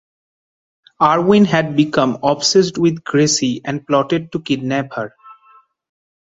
Erwin had become obsessed with Gracie and plotted to kidnap her.